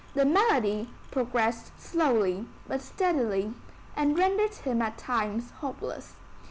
The malady progressed slowly but steadily, and rendered him at times hopeless.